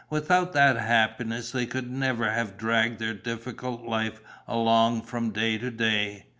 Without that happiness they could never have dragged their difficult life along from day to day.